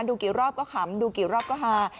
ดูกี่รอบก็ขำดูกี่รอบก็ฮา